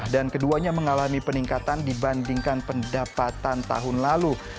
dan keduanya mengalami peningkatan dibandingkan pendapatan tahun lalu